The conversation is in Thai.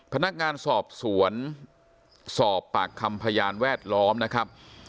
พนักงานสอบสวนสอบปากคำพยานแวดล้อมนะครับ